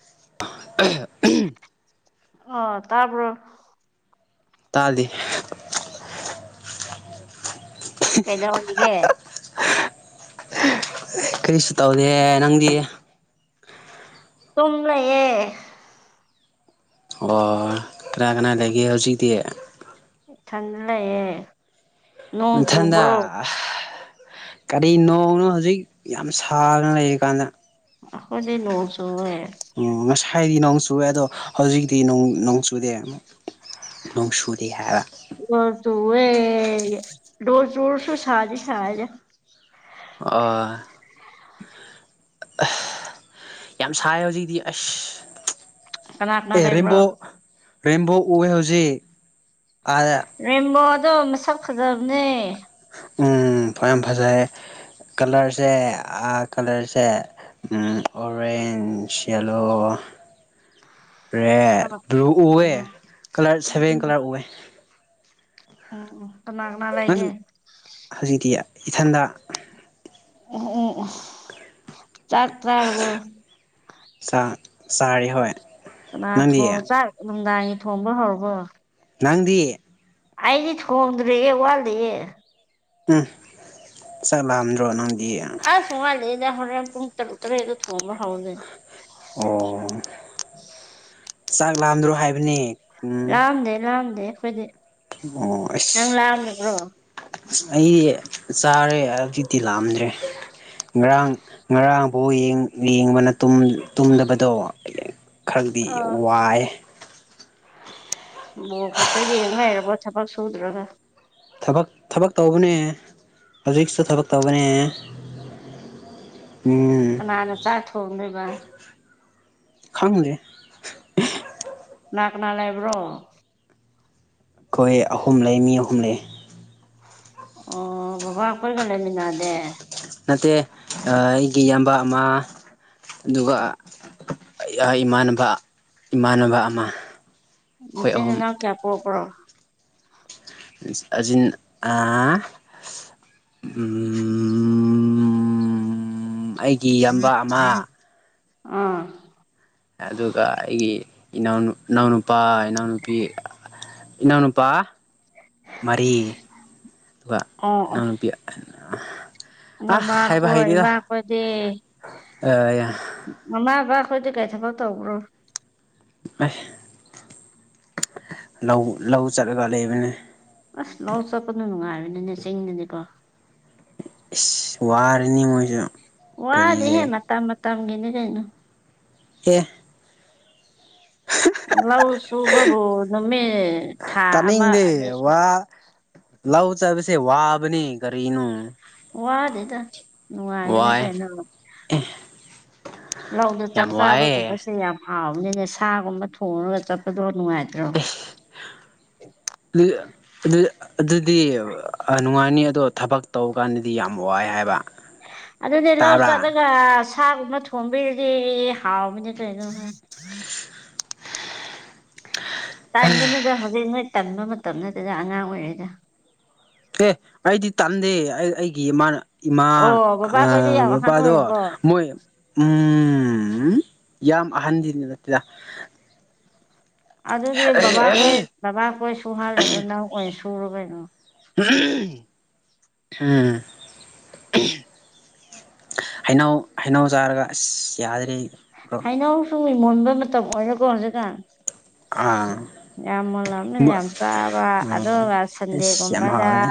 [unintelligible] ꯑꯥ ꯇꯥꯕ꯭ꯔꯣ ꯇꯥꯗꯦ ꯊꯩꯗꯧꯔꯤꯒꯦ ꯀꯔꯤꯁꯨ ꯇꯧꯗꯦ ꯅꯪꯗꯤ ꯇꯨꯝ ꯂꯩꯌꯦ ꯑꯣ ꯀꯅꯥ ꯀꯅꯥ ꯂꯩꯒꯦ ꯍꯧꯖꯤꯛꯇꯤ ꯢꯊꯥꯟꯗ ꯂꯩꯌꯦ ꯅꯣꯡ ꯅꯊꯥꯟꯗ ꯆꯨꯕ꯭ꯔꯣ ꯀꯔꯤ ꯅꯣꯡꯅꯣ ꯍꯧꯖꯤꯛ ꯌꯥꯝ ꯁꯥꯔꯒ ꯂꯩꯔꯤꯀꯥꯟꯗ ꯑꯈꯣꯏꯗꯤ ꯅꯣꯡ ꯆꯨꯋꯦ ꯑꯣ ꯉꯁꯥꯏꯗꯤ ꯅꯣꯡ ꯆꯨꯋꯦ ꯑꯗꯣ ꯍꯧꯖꯤꯛꯇꯤ ꯅꯣꯡ ꯆꯨꯗꯦ ꯅꯣꯡ ꯆꯨꯗꯦ ꯍꯥꯏꯕ ꯅꯣꯡ ꯆꯨꯋꯦ ꯅꯣꯡ ꯆꯨꯔꯁꯨ ꯁꯥꯗꯤ ꯁꯥꯢꯍꯦ ꯑꯣ ꯌꯥꯝ ꯁꯥꯏ ꯍꯧꯖꯤꯛꯇꯤ ꯑꯁ ꯀꯅꯥ ꯀꯅꯥ ꯑꯦ ꯂꯩꯕ꯭ꯔꯣ ꯔꯦꯝꯕꯣ ꯔꯦꯝꯕꯣ ꯎꯑꯦ ꯍꯧꯖꯤꯛ ꯑꯗꯥ ꯔꯦꯝꯕꯣꯗꯣ ꯃꯁꯛ ꯐꯖꯕꯅꯦ ꯎꯝ ꯌꯥꯝ ꯐꯖꯌꯦ ꯀꯂꯔꯁꯦ ꯀꯂꯔꯁꯦ [unintelligible] [unintelligible] ꯔꯦꯠ ꯕ꯭ꯂꯨ ꯎꯑꯦ um colour seven um colour ꯎꯋꯦ ꯎꯝ ꯀꯅꯥ ꯀꯅꯥ ꯂꯩꯒꯦ ꯅꯪ ꯍꯧꯖꯤꯛꯇꯤ ꯏꯊꯟꯗ ꯎꯝ ꯆꯥꯛ ꯆꯥꯔꯕꯣ ꯆꯥꯛ ꯆꯥꯔꯦ ꯍꯣꯢ ꯀꯅꯥ ꯊꯣꯡ ꯆꯥꯛ ꯅꯨꯡꯗꯥꯡꯒꯤ ꯊꯣꯡꯕ ꯍꯧꯔꯕꯣ ꯅꯪꯗꯤ ꯑꯩꯗꯤ ꯊꯣꯡꯗ꯭ꯔꯌꯦ ꯋꯥꯠꯂꯤꯌꯦ ꯎꯝ ꯆꯥꯛ ꯂꯥꯝꯗ꯭ꯔꯣ ꯅꯪꯗꯤ ꯑꯁ ꯋꯥꯠꯂꯤꯗ ꯍꯣꯔꯦꯟ ꯄꯨꯡ ꯇꯥꯔꯨꯛ ꯇꯥꯔꯦꯠꯇ ꯊꯣꯡꯕ ꯍꯧꯒꯅꯤ ꯑꯣ ꯆꯥꯛ ꯂꯥꯝꯗ꯭ꯔꯣ ꯍꯥꯏꯕꯅꯦ ꯎꯝ ꯂꯥꯝꯗꯦ ꯂꯥꯝꯗꯦ ꯑꯩꯈꯣꯏꯗꯤ ꯑꯣ ꯑꯁ ꯅꯪ ꯂꯥꯝꯃꯤꯕ꯭ꯔꯣ ꯑꯩ ꯆꯥꯔꯦ ꯍꯧꯖꯤꯛꯇꯤ ꯂꯥꯝꯗꯦ [unintelligible] ꯉꯔꯥꯡ ꯉꯔꯥꯡ ꯕꯣꯜ ꯌꯦꯡ ꯌꯦꯡꯕꯅ ꯇꯨꯝ ꯇꯨꯝꯗꯕꯗꯣ ꯈꯔꯗꯤ ꯋꯥꯏꯌꯦ ꯕꯣꯜ ꯈꯛꯇ ꯌꯦꯡꯉ ꯂꯩꯔꯕꯣ ꯊꯕꯛ ꯁꯨꯗ꯭ꯔꯒ ꯊꯕꯛ ꯊꯕꯛ ꯇꯧꯕꯅꯦ ꯍꯧꯖꯤꯛꯁꯨ ꯊꯕꯛ ꯇꯧꯕꯅꯦ ꯎꯝ ꯀꯅꯥꯅ ꯆꯥꯛ ꯊꯣꯡꯗꯣꯏꯕ ꯈꯪꯗꯦ ꯀꯅꯥ ꯀꯅꯥ ꯂꯩꯕ꯭ꯔꯣ ꯑꯩꯈꯣꯏ ꯑꯍꯨꯝ ꯂꯩ ꯃꯤ ꯑꯍꯨꯝ ꯂꯩ ꯑꯣ ꯕꯕꯥ ꯈꯣꯏꯒ ꯂꯩꯃꯤꯟꯅꯗꯦ ꯅꯠꯇꯦ ꯑꯩꯒꯤ ꯏꯌꯥꯝꯕ ꯑꯃ ꯑꯗꯨꯒ ꯑꯩ ꯏꯃꯥꯟꯅꯕ ꯏꯃꯥꯟꯅꯕ ꯑꯃ ꯑꯩꯈꯣꯏ ꯅꯆꯤꯟ ꯑꯍꯨꯝ ꯅꯅꯥꯎ ꯀꯌꯥ ꯄꯣꯛꯄ꯭ꯔꯣ꯫ ꯏꯁ ꯑꯖꯤꯟ ꯑꯥ ꯎꯝ ꯑꯩꯒꯤ ꯏꯌꯥꯝꯕ ꯑꯃ꯫ ꯑꯥ꯫ ꯑꯗꯨꯒ ꯑꯩꯒꯤ ꯏꯅꯥꯎꯅꯨ ꯏꯅꯥꯎ ꯅꯨꯄꯥ ꯏꯅꯥꯎ ꯅꯨꯨꯄꯤ ꯏꯅꯥꯎ ꯅꯨꯨꯄꯥ꯫ ꯃꯔꯤ ꯑꯗꯨꯒ ꯑꯣ ꯑꯣ ꯏꯅꯥꯎ ꯅꯨꯨꯄꯤ ꯑ ꯍꯥꯏꯕ ꯃꯃꯥꯈꯣꯏ ꯍꯩꯇꯦꯗ ꯏꯃꯥꯈꯣꯏꯗꯤ ꯑ꯫ ꯃꯃꯥ ꯕꯥꯈꯣꯏꯗꯤ ꯀꯩ ꯊꯛꯕ ꯇꯧꯕ꯭ꯔꯣ꯫ ꯑꯦ ꯂꯧ ꯂꯧ ꯆꯠꯂꯒ ꯂꯩꯕꯅꯦ꯫ ꯑꯁ ꯂꯧ ꯆꯠꯄꯗꯣ ꯅꯨꯡꯉꯥꯏꯕꯅꯤꯅꯦ ꯆꯤꯡꯗꯗꯤꯀꯣ꯫ ꯏꯁ ꯋꯥꯔꯅꯤ ꯃꯣꯏꯁꯨ꯫ ꯀꯔꯤꯒꯤ ꯋꯥꯗꯦꯍꯦ ꯑꯦ ꯃꯇꯝ ꯃꯇꯝꯒꯤꯅꯦ ꯀꯩꯅꯣ꯫ ꯑꯦ꯫ ꯂꯧ ꯁꯨꯕꯕꯨ ꯅꯨꯃꯤꯠ ꯊꯥ ꯑꯃ ꯑꯅꯤ ꯇꯥꯅꯤꯡꯗꯦ ꯁꯨ ꯋꯥ ꯂꯧ ꯆꯠꯕꯁꯦ ꯋꯥꯕꯅꯦ ꯀꯔꯤꯅꯣ꯫ ꯋꯥꯗꯦꯗ ꯅꯨꯡꯉꯥꯏꯕꯅꯦ ꯋꯥꯏ ꯀꯩꯅꯣ꯫ ꯂꯧꯗ ꯌꯥꯝ ꯆꯥꯛ ꯋꯥꯏꯌꯦ ꯆꯥꯕꯒꯨꯝꯕꯁꯦ ꯌꯥꯝ ꯍꯥꯎꯕꯅꯤꯅꯦ ꯁꯥꯒꯨꯝꯕ ꯊꯣꯡꯉꯒ ꯆꯠ ꯄꯗꯣ ꯅꯨꯡꯉꯥꯏꯇ꯭ꯔꯣ꯫ ꯑꯗꯨ-ꯑꯗꯨ ꯑꯗꯨꯗꯤ ꯑ-ꯅꯨꯡꯉꯥꯏꯅꯤ ꯑꯗꯣ ꯊꯕꯛ ꯇꯧꯕ ꯀꯥꯟꯗꯗꯤ ꯌꯥꯝ ꯋꯥꯏ ꯍꯥꯏꯕ꯫ ꯑꯗꯨꯅꯦ ꯂꯧ ꯇꯥꯕ꯭ꯔꯥ ꯆꯠꯂꯒ ꯁꯥꯒꯨꯝꯕ ꯊꯣꯡꯕꯤꯔꯗꯤ ꯍꯥꯎꯕꯅꯤ ꯀꯩꯅꯣ꯫ ꯇꯟꯒꯅꯨꯗ ꯍꯧꯖꯤꯛ ꯅꯣꯏ ꯇꯟꯕ ꯃꯇꯝ ꯅꯠꯇꯦꯗ ꯑꯉꯥꯡ ꯑꯣꯏꯔꯤꯗ꯫ ꯑꯦ ꯑꯩꯗꯤ ꯇꯟꯗꯦ ꯑꯩ ꯑꯩꯒꯤ ꯏꯃꯥꯅ ꯏꯃꯥ ꯑꯣ ꯑ ꯕꯕꯥꯈꯣꯏꯗꯤ ꯌꯥꯝ ꯑꯍꯟ ꯕꯄꯥꯗꯣ ꯑꯣꯏꯔꯕꯣ ꯃꯣꯏ ꯎꯝ ꯌꯥꯝ ꯑꯍꯟꯗꯤ ꯅꯠꯇꯦꯗ꯫ ꯑꯗꯨꯗꯤ ꯕꯕꯥꯈꯣꯏ ꯕꯕꯥꯈꯣꯏ ꯁꯨꯍꯜꯂꯅꯨ ꯅꯪ ꯑꯣꯏꯅ ꯁꯨꯔꯣ ꯀꯩꯅꯣ꯫ [unintelligible] ꯎꯝ꯫ ꯍꯩꯅꯧ ꯍꯩꯅꯧ ꯆꯥꯔꯒ ꯑꯁ ꯌꯥꯗ꯭ꯔꯦ꯫ ꯕ꯭ꯔꯣ ꯍꯩꯅꯧꯁꯨ ꯃꯨꯟꯕ ꯃꯇꯝ ꯑꯣꯏꯔꯦꯀꯣ ꯍꯧꯖꯤꯛꯀꯥꯟ꯫ ꯑꯥ꯫ ꯌꯥꯝ ꯃꯨꯜꯂꯝꯅꯤ ꯌꯥꯝ ꯆꯥꯕ ꯑꯗꯨꯒ ꯑꯁ ꯌꯥꯝ ꯁꯟꯗꯦꯒꯨꯝꯕꯗ꯫ ꯍꯥꯎꯋꯦ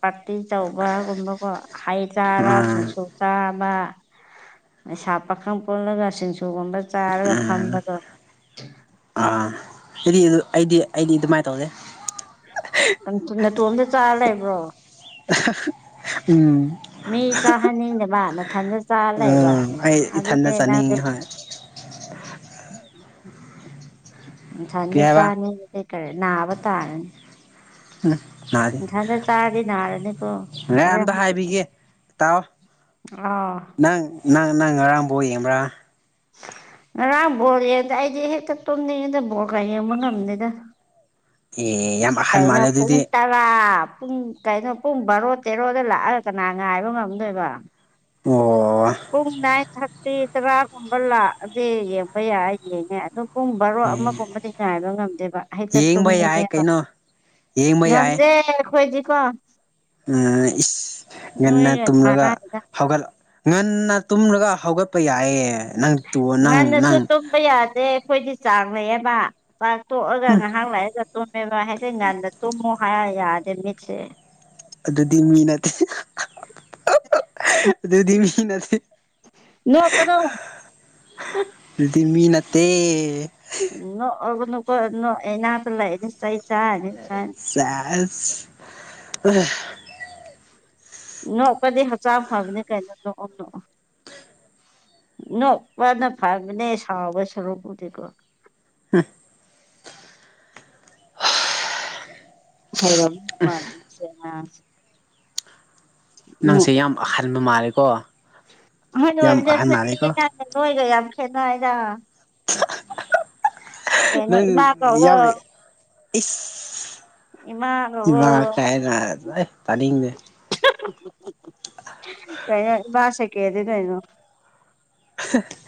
ꯄꯥꯔꯇꯤ ꯇꯧꯕꯒꯨꯝꯕꯀꯣ꯫ ꯍꯩ ꯆꯥꯔꯥ ꯑꯥ ꯁꯤꯡꯁꯨ ꯆꯥꯕ ꯂꯩꯩꯁꯥ ꯄꯥꯈꯪ ꯄꯨꯜꯂꯒ ꯁꯤꯡ ꯖꯨꯒꯨꯝꯕ꯫ ꯎꯝ ꯑꯥ ꯑꯩꯗꯤ ꯑꯗꯨ ꯑꯩꯗꯤ ꯑꯩꯗꯤ ꯑꯗꯨꯃꯥꯏ ꯇꯧꯗꯦ꯫ ꯅ-ꯅꯇꯣꯝꯗ ꯆꯥꯔ ꯂꯩꯕ꯭ꯔꯣ꯫ [unintelligible] ꯎꯝ꯫ ꯃꯤ ꯆꯥꯍꯟꯅꯤꯡꯗꯕ ꯅꯊꯟꯗ ꯆꯥ ꯂꯩꯕ ꯎꯝ ꯑꯩ ꯏꯊꯟꯗ ꯑꯗꯨꯗꯤ ꯅꯪꯗꯤ ꯆꯥꯅꯤꯡꯉꯤ ꯍꯣꯏ ꯅꯊꯟꯗ ꯀꯩ ꯍꯥꯏꯕ ꯆꯥꯅꯤꯡ [unintelligible] ꯅꯥꯕ ꯇꯥꯔꯅꯤ꯫ ꯎ ꯅꯥꯗꯦ꯫ ꯅꯊꯟꯗ ꯆꯥꯔꯗꯤ ꯅꯥꯔꯅꯤꯀꯣ ꯍꯣꯔꯦꯟꯃꯨꯛ꯫ ꯈꯤꯒꯦ ꯇꯥꯎꯑꯣ ꯅꯪ ꯅꯪ ꯅꯪ ꯉꯔꯥꯡ ꯕꯣꯜ ꯌꯦꯡꯕ꯭ꯔꯥ꯫ ꯉꯔꯥꯡ ꯕꯣꯜ ꯌꯦꯡꯗꯦ ꯑꯩꯗꯤ ꯍꯦꯛꯇ ꯇꯨꯝꯅꯤꯡꯉꯤꯗ ꯕꯣꯜꯒ ꯌꯦꯡꯕ ꯉꯝꯗꯦꯗ꯫ ꯑꯦ ꯌꯥꯝ ꯑꯍꯟ ꯀꯩꯅꯣ ꯃꯥꯜꯂꯦ ꯄꯨꯡ ꯑꯗꯨꯗꯤ ꯇꯥ ꯥꯔꯥ ꯄꯨꯡ ꯀꯩꯅꯣ ꯄꯨꯡ ꯕꯥꯔꯣ ꯇꯦꯔꯣꯗ ꯂꯥꯛꯑꯒ ꯀꯅꯥ ꯉꯥꯏꯕ ꯉꯝꯗꯣꯏꯕ ꯑꯣ ꯄꯨꯡ ꯅꯥꯏꯟ ꯊꯥꯔꯇꯤ ꯇꯔꯥꯒꯨꯝꯕ ꯂꯥꯛꯑꯗꯤ ꯌꯦꯡꯕ ꯌꯥꯏ ꯌꯦꯡꯉꯦ ꯑꯗꯨꯝ ꯄꯨꯡ ꯕꯥꯔꯣ ꯑꯃꯒꯨꯝꯕꯗꯤ ꯉꯥꯏꯕ ꯉꯝꯗꯦꯕ ꯍꯦꯛꯇ ꯌꯦꯡꯕ ꯌꯥꯏ ꯇꯨꯝꯅꯤꯡꯉꯦꯕ ꯀꯩꯅꯣ ꯌꯦꯡꯕ ꯌꯥꯏ ꯉꯝꯗꯦ ꯑꯩꯈꯣꯏꯗꯤ ꯀꯣ ꯎꯝ ꯏꯁ ꯉꯟꯅ ꯅꯣꯏꯒ ꯇꯨꯝꯔꯒ ꯃꯥꯟꯅꯗꯦꯗ ꯍꯧꯒꯠ ꯉꯟꯅ ꯇꯨꯝꯂꯒ ꯍꯧꯒꯠꯄ ꯌꯥꯏꯌꯦ ꯅꯪ ꯇꯨ ꯅꯪ ꯅꯪ ꯄ ꯌꯥꯗꯦ ꯑꯩꯈꯣꯏꯗꯤ ꯆꯥꯡ ꯂꯩꯌꯦꯕ ꯆꯥꯛ ꯇꯣꯛꯑꯒ ꯎꯝ ꯉꯍꯥꯛ ꯂꯩꯔ ꯇꯨꯝꯃꯦꯕ ꯍꯥꯏꯗꯤ ꯉꯟꯅ ꯇꯨꯃꯣ ꯍꯥꯏꯔ ꯌꯥꯗꯦ ꯃꯤꯠꯁꯦ ꯑꯗꯨꯗꯤ ꯃꯤ ꯅꯠꯇꯦ ꯑꯗꯨꯗꯤ ꯃꯤ ꯅꯠꯇꯦ ꯅꯣꯛꯀꯅꯣ ꯗꯨꯗꯤ ꯃꯤ ꯅꯠꯇꯦ ꯅꯣꯛꯑꯒꯨꯀꯣ ꯅꯣꯛ ꯏꯅꯥꯛꯇ ꯂꯩꯔꯗꯤ ꯆꯩ ꯆꯥꯔꯅꯤ ꯆꯥꯏꯅ [unintelligible] ꯅꯣꯛꯄꯗꯤ ꯍꯛꯆꯥꯡ ꯐꯕꯅꯤ ꯀꯩꯅꯣ ꯅꯣꯛꯑꯣ ꯅꯣꯛꯑꯣ ꯅꯣꯛꯄꯅ ꯐꯕꯅꯦ ꯁꯥꯎꯕ ꯁꯔꯨꯛꯄꯨꯗꯤꯀꯣ [inaudible] ꯍꯦꯔꯣꯒ ꯃꯥꯟꯅꯤ ꯃꯁꯤ ꯉꯥꯡꯁꯤ ꯅꯪꯁꯦ ꯌꯥꯝ ꯑꯍꯟꯕ ꯃꯥꯜꯂꯤꯀꯣ ꯑꯍꯟ ꯌꯥꯝ ꯑꯣꯏꯕꯅꯦ ꯑꯍꯟ ꯑꯈꯣꯏꯗꯤ ꯅꯪꯒ ꯅꯣꯏꯒ ꯌꯥꯝ ꯈꯦꯠꯅꯩꯗ [unintelligible] ꯀꯩꯅꯣ ꯅꯪ ꯏꯃꯥ ꯀꯧꯋꯣ ꯌꯥꯝꯃꯦ ꯏꯁ ꯏꯃꯥ ꯀꯧꯋꯣ ꯏꯃꯥ ꯀꯥꯏꯅ ꯆꯣꯍꯦ ꯇꯥꯅꯤꯡꯗꯦ ꯀꯩꯅꯣ ꯏꯃꯥ ꯁꯦꯀꯦꯟꯅꯤ ꯀꯩꯅꯣ [unintelligible]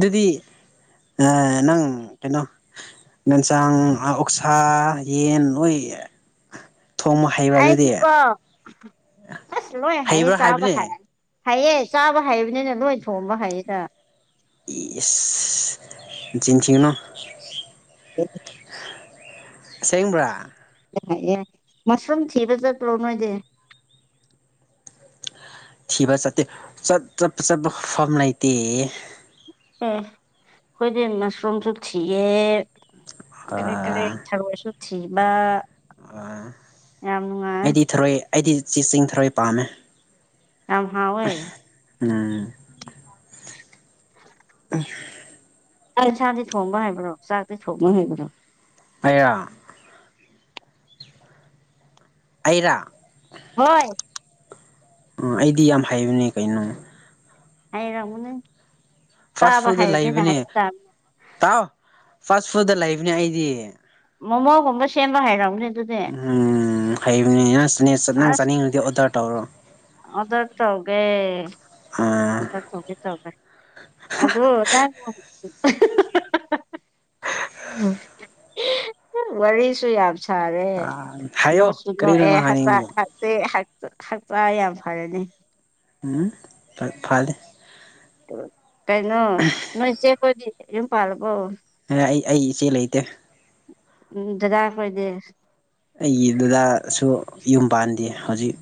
ꯗꯨꯗꯤ ꯑ ꯅꯪ ꯀꯩꯅꯣ ꯌꯦꯟꯁꯥꯡ ꯑꯣꯛꯁꯥ ꯌꯦꯟ ꯅꯣꯏ ꯑꯩꯗꯤ ꯀꯣ ꯑꯁ ꯂꯣꯏ ꯍꯩꯌꯦ ꯍꯩꯕ꯭ꯔꯥ ꯆꯥꯕ ꯍꯥꯏꯕꯅꯦ ꯍꯥꯏꯔ ꯍꯩꯌꯦ ꯆꯥꯕ ꯍꯩꯕꯅꯤꯅ ꯅꯣꯏ ꯊꯣꯡꯕ ꯍꯩꯌꯦꯗ ꯏꯁ ꯅꯆꯤꯟ ꯊꯤꯒꯅꯣ [inaudible] ꯑꯁꯦꯡꯕꯔꯥ [unintelligible] ꯃꯁꯔꯨꯝ ꯊꯤꯕ ꯆꯠꯄ꯭ꯔꯣ ꯅꯣꯏꯗꯤ ꯊꯤꯕ ꯆꯠꯇꯦ ꯆꯞ ꯆꯠꯄ ꯆꯠꯄ ꯐꯝ ꯂꯩꯇꯦ ꯑꯦ ꯈꯣꯏꯗꯤ ꯃꯁꯔꯨꯝꯁꯨ ꯊꯤꯌꯦ [unintelligible] ꯊꯔꯣꯏꯁꯨ ꯊꯤꯕ ꯑꯥ ꯌꯥꯝ ꯅꯨꯡꯉꯥꯏ ꯑꯩꯗꯤ ꯊꯔꯣꯏ ꯑꯩꯗꯤ ꯆꯦ ꯆꯤꯡ ꯊꯔꯣꯏ ꯄꯥꯝꯃꯦ ꯌꯥꯝ ꯍꯥꯎꯋꯦ ꯎꯝ [inaudible] [inaudible] ꯆꯥꯛ ꯏꯟꯁꯥꯡꯗꯤ ꯊꯣꯡꯕ ꯍꯩꯕ꯭ꯔꯣ ꯆꯥꯛꯇꯤ ꯊꯣꯡꯕ ꯍꯩꯕ꯭ꯔꯣ ꯑꯩꯔꯣ ꯑꯩꯔꯥ ꯍꯣꯏ ꯑꯥ ꯑꯩꯗꯤ ꯌꯥꯝ ꯍꯥꯏꯕꯅꯦ ꯀꯩꯅꯣ ꯍꯥꯏꯔꯝꯒꯅꯤ ꯐꯥꯁ ꯆꯥꯕ ꯐꯨꯗ ꯍꯩꯕꯅꯤꯅ ꯂꯩꯕꯅꯦ ꯍꯩꯕ ꯇꯥꯕꯅꯤ ꯇꯥꯎ ꯐꯥꯁ ꯐꯨꯗꯗ ꯂꯩꯕꯅꯦ ꯑꯩꯗꯤ ꯃꯣꯃꯣꯒꯨꯝꯕ ꯁꯦꯝꯕ ꯍꯩꯔꯝꯒꯅꯤ ꯑꯗꯨꯗꯤ ꯍꯩꯕꯅꯤꯅ [unintelligible] ꯅꯪ ꯑꯁ ꯆꯥꯅꯤꯡꯉꯥꯗꯤ ꯑꯣꯔꯗꯔ ꯇꯧꯔꯣ ꯑꯣꯗꯔ ꯇꯧꯒꯦ ꯑꯥ ꯑꯣꯗꯔ ꯇꯧꯒꯦ ꯇꯧꯒꯦ ꯑꯗꯣ ꯅꯪ [unintelligible] ꯑꯍꯥ ꯍ ꯍ ꯍꯥ ꯍꯥ ꯋꯥꯔꯁꯨꯨ ꯌꯥꯝꯁꯥ ꯁꯔꯦ ꯍꯥꯏꯌꯣ ꯅꯣꯛꯁꯨ ꯀꯔꯤꯅꯣ ꯅꯣꯛꯑꯦ ꯅꯪ ꯍꯛ ꯍꯥꯏꯅꯤꯡꯕꯗꯣ ꯁꯦ ꯍꯛ ꯍꯛꯆꯥꯡ ꯌꯥꯝ ꯐꯔꯅꯤ ꯎꯝ ꯐ ꯐꯜ ꯀꯩꯅꯣ ꯅꯣꯏ ꯆꯦ ꯀꯣꯏꯗꯤ ꯌꯨꯝ ꯄꯥꯜꯂꯕꯣ ꯑꯥ ꯑꯩ ꯑꯩ ꯏꯆꯦ ꯂꯩꯇꯦ ꯎꯝ ꯗꯗꯥ ꯈꯣꯏꯗꯤ ꯑꯩꯒꯤ ꯗꯥꯗꯥꯁꯨ ꯌꯨꯝ ꯄꯥꯟꯗꯦ ꯍꯧꯖꯤꯛ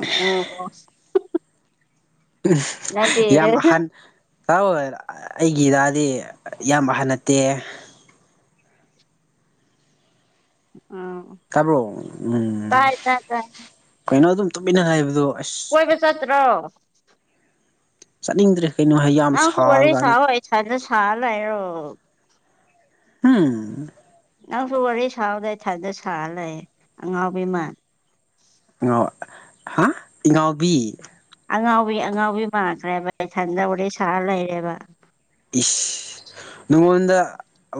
ꯎꯝ ꯑꯣ ꯍ ꯍꯥ ꯑꯍ ꯌꯥꯝ ꯑꯍꯟ ꯇꯥꯎ ꯑꯩꯒꯤ ꯗꯥꯗꯥꯗꯤ ꯌꯥꯝ ꯑꯍꯟ ꯅꯠꯇꯦ ꯑꯥ ꯇꯥꯕ꯭ꯔꯣ ꯎꯝ ꯀꯩꯅꯣ ꯑꯗꯨꯝ ꯇꯨꯃꯤꯟꯅ ꯂꯩꯕꯗꯣ ꯀꯣꯏꯕ ꯆꯠꯇ꯭ꯔꯣ ꯆꯠꯅꯤꯡꯗ꯭ꯔꯦ ꯀꯩꯅꯣ ꯍꯥꯏ ꯌꯥꯝ ꯁꯥꯕ ꯀꯥꯟꯗ ꯁꯥꯏꯗ ꯁꯥ ꯂꯩꯔꯣ ꯑꯥ ꯅꯪꯁꯨ ꯋꯥꯔꯤ ꯁꯥꯕꯗꯩ ꯏꯊꯟꯗ ꯁꯥꯔ ꯂꯩ ꯑꯉꯥꯎꯕꯤ ꯃꯥꯜ ꯉꯥꯎ ꯍꯥ ꯏꯉꯥꯎꯕꯤ ꯑꯉꯥꯎꯕꯤ ꯑꯉꯥꯎꯕꯤ ꯃꯥꯟꯈ꯭ꯔꯦꯕ ꯏꯊꯟꯗ ꯋꯥꯔꯤ ꯁꯥꯔꯥ ꯂꯩꯔꯦꯕ ꯏꯁ ꯅꯉꯣꯟꯗ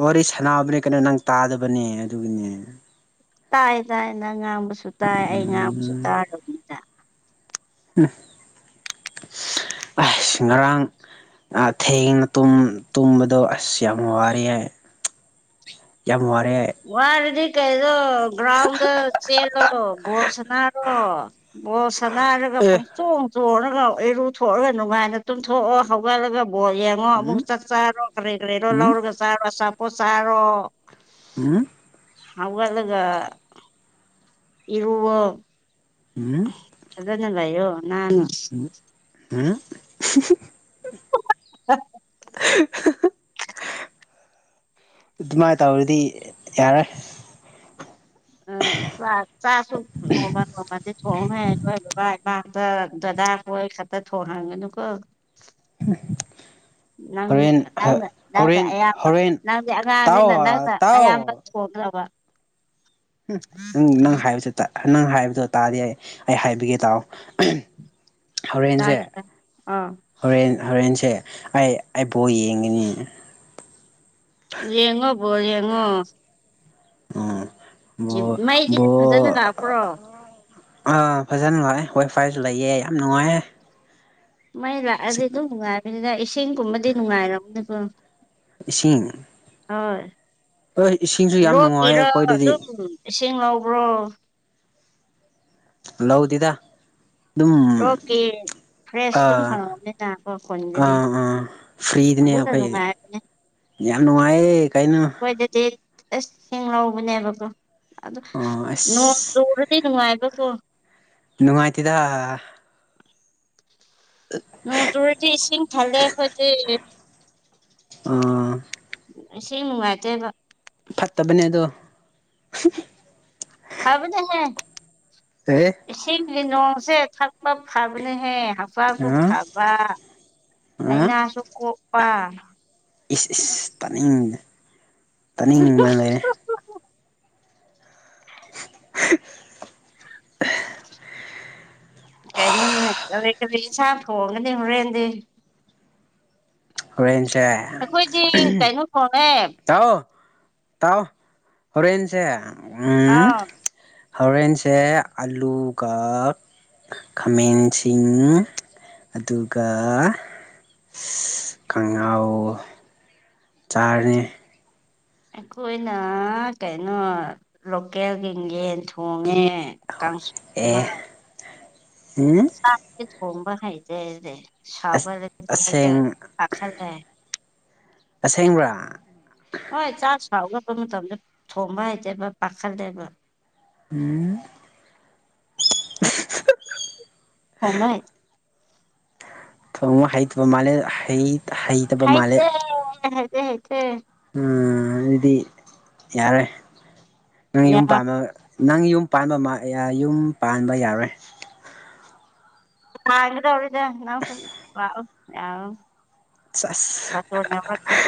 ꯋꯥꯔꯤ ꯁꯥꯟꯅꯕꯅꯦ ꯀꯩꯅꯣ ꯅꯪ ꯇꯥꯗꯕꯅꯦ ꯑꯗꯨꯒꯤꯅꯦ ꯇꯥꯏ ꯇꯥꯏ ꯅꯪ ꯉꯥꯡꯕꯁꯨ ꯇꯥꯏ ꯑꯩ ꯉꯥꯡꯕꯁꯨ ꯇꯥꯔꯝꯒꯅꯤꯗ ꯑꯥ ꯑꯁ ꯉꯔꯥꯡ ꯑꯥ ꯊꯦꯡꯅ ꯇꯨꯝ ꯇꯨꯝꯕꯗꯣ ꯑꯁ ꯌꯥꯝ ꯋꯥꯏꯌꯦ ꯌꯥꯝ ꯋꯥꯔꯦ ꯋꯥꯔꯗꯤ ꯀꯩꯗꯣ ꯒ꯭ꯔꯥꯎꯟꯗ ꯆꯦꯜꯂꯣ ꯕꯣꯜ ꯁꯥꯟꯅꯔꯣ ꯕꯣꯜ ꯁꯥꯟꯅꯥꯔꯒ ꯑꯦ ꯄꯪ ꯆꯣꯡ ꯆꯣꯡꯔꯒ ꯏꯔꯨꯊ ꯊꯣꯛꯑꯒ ꯅꯨꯡꯉꯥꯏꯅ ꯇꯨꯝꯊꯣꯛꯑꯣ ꯍꯧꯒꯠꯂꯒ ꯕꯣꯜ ꯌꯦꯡ ꯉꯣ ꯑꯃꯨꯛ ꯎꯝ ꯆꯥꯛ ꯆꯥꯔꯣ ꯀꯔꯤ ꯀꯔꯤꯔꯣ ꯎꯝ ꯂꯧꯔꯒ ꯆꯥꯔꯣ ꯑꯆꯥꯄꯣꯠ ꯆꯥꯔꯣ ꯎꯨꯝ ꯍꯧꯒꯠꯂꯒ ꯏꯔꯨꯑꯣ ꯎꯝ ꯐꯖꯅ ꯂꯩꯑꯣ ꯅꯥꯟꯅ ꯎ ꯑꯥꯍ ꯍ ꯍꯥ [unintelligible] ꯑꯗꯨꯃꯥꯏꯅ ꯇꯧꯔꯗꯤ ꯌꯥꯔꯦ ꯑꯥ ꯆꯥ ꯆꯥꯁꯨ ꯅꯣꯡꯃ ꯅꯣꯡꯃꯗꯤ ꯊꯣꯡꯉꯦ ꯑꯩꯈꯣꯏ ꯕꯕꯥ ꯏꯃꯥꯇ ꯗꯗꯥ ꯈꯣꯏ ꯈꯛꯇ ꯊꯣꯡ ꯍꯟꯒꯅꯨꯀꯣ [inaudible] ꯅꯪ ꯍꯣꯔꯦꯟ ꯅꯪꯅ ꯅꯪꯅ ꯍꯣꯔꯦꯟ ꯑꯌꯥꯝꯕ ꯍꯣꯔꯦꯟ ꯅꯪꯗꯤ ꯇꯥꯎ ꯑꯉꯥꯡꯅꯤꯅ ꯅꯪꯅ ꯑꯌꯥꯝꯕ ꯇꯥꯎ ꯊꯣꯡꯒꯗꯧꯕ ꯎꯝ ꯅꯪ ꯅꯪ ꯍꯥꯏꯕꯁꯤ ꯇꯥ ꯅꯪ ꯍꯥꯏꯕꯗꯣ ꯇꯥꯗꯦ ꯑꯩ ꯍꯥꯏꯕꯤꯒꯦ ꯇꯥꯎ ꯍꯣꯔꯦꯟꯁꯦ ꯆꯥꯒꯤꯗ ꯑꯥ ꯍꯣꯔꯦꯟ ꯍꯣꯔꯦꯟꯁꯦ ꯑꯩ ꯑꯩ ꯕ‌ꯣꯜ ꯌꯦꯡꯒꯅꯤ ꯌꯦꯡꯉꯣ ꯕꯣꯜ ꯌꯦꯡꯉꯣ ꯕ‌ꯣꯜ ꯃꯩꯗꯤ ꯕ‌ꯣꯜ ꯐꯖꯅ ꯂꯥꯛꯄ꯭ꯔꯣ ꯑꯥ ꯐꯥꯖꯅ ꯂꯩꯌꯦ ꯋꯥꯏ ꯐꯥꯏꯖꯨ ꯂꯩꯌꯦ ꯌꯥꯝ ꯅꯨꯡꯉꯥꯏꯌꯦ ꯃꯩ ꯂꯥꯛꯑꯗꯤ ꯑꯗꯨꯝ ꯅꯨꯡꯉꯥꯏꯕꯅꯤꯗ ꯏꯁꯤꯡꯒꯨꯝꯕꯗꯤ ꯅꯨꯡꯉꯥꯏꯔꯝꯒꯅꯤꯀꯣ ꯏꯁꯤꯡ ꯍꯣꯏ ꯍꯣꯏ ꯏꯁꯤꯡꯁꯨ ꯌꯥꯝ ꯅꯨꯡꯉꯥꯏꯌꯦ ꯂꯣꯛꯀꯤꯔꯣ ꯑꯩꯈꯣꯏꯗꯗꯤ ꯑꯗꯨꯝ ꯏꯁꯤꯡ ꯉꯧꯕ꯭ꯔꯣ ꯂꯧꯗꯤꯗ ꯔꯣꯛꯀꯤ ꯐ꯭ꯔꯦꯁ ꯑꯗꯨꯝ ꯑꯥ ꯈꯪꯉꯝꯒꯅꯤꯅꯀꯣ ꯈꯨꯟꯗꯗꯤ ꯑꯥ ꯑꯥ ꯐ꯭ꯔꯤꯗꯅꯦ ꯑꯗꯨꯅ ꯑꯩꯈꯣꯏꯒꯤꯗꯤ ꯅꯨꯡꯉꯥꯏꯕꯅꯦ ꯌꯥꯝ ꯅꯨꯡꯉꯥꯏꯌꯦ ꯀꯩꯅꯣ ꯑꯩꯈꯣꯏꯗꯗꯤ ꯑꯁ ꯏꯁꯤꯡ ꯂꯧꯕꯅꯦꯕꯀꯣ ꯑꯗꯣ ꯑꯣ ꯑꯁ ꯅꯣꯡ ꯆꯨꯔꯗꯤ ꯅꯨꯡꯉꯥꯏꯕꯀꯣ ꯅꯨꯡꯉꯥꯏꯇ‌ꯦꯗ [unintelligible] ꯅꯣꯡ ꯆꯨꯔꯗꯤ ꯏꯁꯤꯡ ꯊꯜꯂꯦ ꯑꯩꯈꯣꯏꯗꯤ ꯑꯥ ꯏꯁꯤꯡ ꯅꯨꯡꯉꯥꯏꯇꯦꯕ ꯐꯠꯇꯕꯅꯦ ꯑꯗꯣ ꯐꯥꯕꯅ‌ꯦ ꯍꯦ ꯀꯩ ꯏꯁꯤꯡꯒꯤ ꯅꯣꯡꯁꯦ ꯊꯛꯄ ꯐꯥꯕꯅꯦꯍꯦ ꯍꯛꯆꯥꯡꯁꯨ ꯑꯥ ꯐꯕ ꯕ ꯑꯥ ꯂꯩꯅꯥꯁꯨ ꯀꯣꯛꯄ ꯏꯁ ꯏꯁ ꯇꯥꯅꯤꯡ ꯇꯥꯅꯤꯡꯕꯅ ꯂꯩꯔꯦ [unintelligible] ꯀꯩꯅꯣ ꯅꯣꯛꯏꯗꯣ ꯀꯔꯤ ꯏꯟꯁꯥꯡ ꯊ‌ꯣꯡꯒꯅꯤ ꯍꯣꯔꯦꯟꯗꯤ ꯍꯣꯔꯦꯟꯁꯦ ꯑꯩꯈꯣꯏꯗꯤ ꯀꯩꯅꯣ ꯊ‌ꯣꯡꯉꯦ ꯇꯥꯎ ꯇꯥꯎ ꯍꯣꯔꯦꯟꯁꯦ ꯎꯝ ꯑꯥꯎ ꯍꯣꯔꯦꯟꯁꯦ ꯑꯂꯨꯒ ꯈꯥꯃꯦꯟꯁꯤꯡ ꯑꯗꯨꯒ ꯀꯥꯡꯉꯧ ꯆꯥꯔꯦ ꯑꯩꯈꯣꯏꯅ ꯀꯩꯅꯣ ꯂꯣꯀꯦꯜꯒꯤ ꯌꯦꯟ ꯊꯣꯡꯉꯦ ꯀꯥꯡꯁꯨ ꯑꯦ ꯎꯝ ꯆꯥꯛꯁꯦ ꯊꯣꯡꯕ ꯍꯩꯇꯦ ꯑꯩꯗꯤ ꯁꯧꯒꯠꯂꯗꯤ ꯍꯦꯛꯇ ꯑꯁꯦꯡ ꯆꯥꯛꯁꯜꯂꯦ ꯑꯁꯦꯡꯕ꯭ꯔꯥ ꯍꯣꯏ ꯆꯥꯛ ꯁꯧꯒꯛꯄ ꯃꯇꯝꯗ ꯊꯣꯡꯕ ꯍꯩꯇꯦꯕ ꯄꯥꯈꯠꯂꯦꯕ ꯎꯝ ꯊꯧꯃꯩ ꯊꫭꯡꯕ ꯍꯩꯇꯕ ꯃꯥꯂꯦ ꯍꯩ ꯍꯩ ꯍꯥꯏ ꯇꯦ ꯍꯩꯇꯦ ꯍꯩꯇꯦ ꯎꯝ ꯑꯗꯨꯗꯤ ꯌꯥꯔꯣꯏ ꯅꯪ ꯌꯨꯝ ꯌꯥꯝ ꯄꯥꯟꯕ ꯅꯪ ꯌꯨꯝ ꯄꯥꯟꯕ ꯃ ꯌꯥ ꯌꯨꯝ ꯄꯥꯟꯕ ꯌꯥꯔꯣꯏ ꯌꯥꯒꯗꯕꯅꯦ ꯅꯪꯁꯨ ꯂꯥꯑꯣ ꯌꯥꯎ ꯆꯁ ꯕꯥꯔꯇꫭꯟ ꯌꯧꯔꯛꯀꯦ